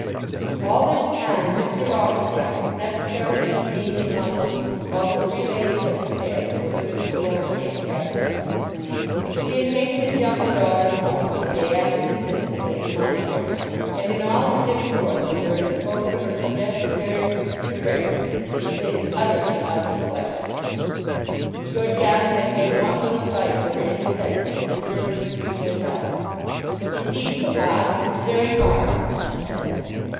All this time Mr. Longestaffe was necessarily detained in London while the three ladies of his family were living forlornly at Caversham. He had taken his younger daughter home on the day after his visit to Lady Monogram, and in all his intercourse with her had spoken of her suggested marriage with Mr. Brehgert as a thing utterly out of the question. Georgiana had made one little fight for her independence at the Jermyn Street Hotel. "Indeed, papa, I think it's very hard," she said.